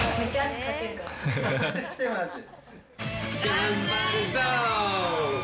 頑張るぞー！